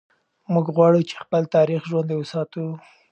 موږ غواړو چې خپل تاریخ ژوندی وساتو.